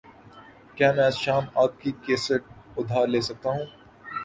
کیا میں آج شام آپکی کیسٹ ادھار لے سکتا ہوں؟